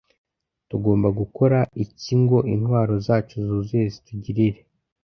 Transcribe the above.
Tugomba gukora iki ngo intwaro zacu zuzuye zitugirire